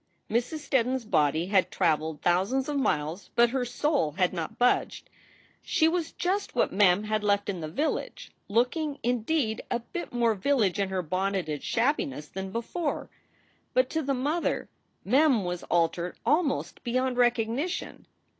Mrs. Steddon s body had traveled thousands of miles, but her soul had not budged. She was just what Mem had left in the village, looking, indeed, a bit more village in her bonneted shabbiness than before. But to the mother Mem was altered almost beyond recognition.